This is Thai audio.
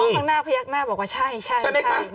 น้องข้างหน้าเขาแยกหน้าบอกว่าใช่ใช่ใช่